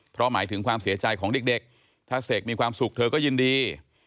เพราะหมายถึงความเสียใจของเด็กถ้าเสกมีความสุขเธอก็ยินดี